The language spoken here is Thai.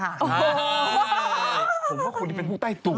ผมว่าคนนี้เป็นผู้ใต้ตุบ